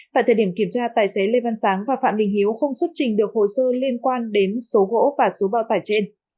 tại thời điểm kiểm tra tài xế lê văn sáng và phạm đình hiếu không xuất trình được hồ sơ liên quan đến số gỗ và số bao tải trên